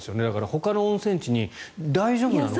ほかの温泉地に大丈夫なの？